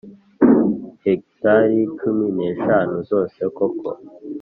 hegitari cumi n eshanu zose koko